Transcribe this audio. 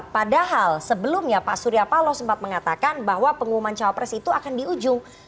padahal sebelumnya pak surya paloh sempat mengatakan bahwa pengumuman cawapres itu akan di ujung